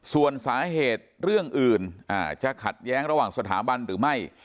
ส่วนสาเหตุเรื่องอื่นจะขัดแย้งระหว่างสถาบันหรือไม่